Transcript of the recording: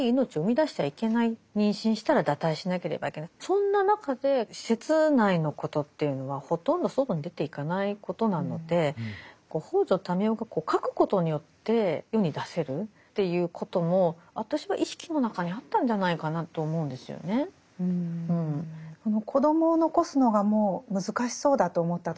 そんな中で施設内のことというのはほとんど外に出ていかないことなので北條民雄が書くことによって世に出せるっていうことも私は意識の中にあったんじゃないかなと思うんですよね。と推測するんですよね。